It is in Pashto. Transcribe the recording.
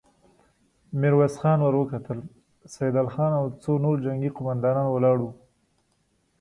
ميرويس خان ور وکتل، سيدال خان او څو نور جنګي قوماندان ولاړ ول.